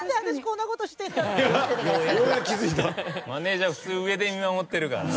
マネジャーは普通上で見守ってるからな。